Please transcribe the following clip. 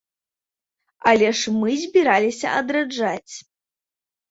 Але ж мы збіраліся адраджаць!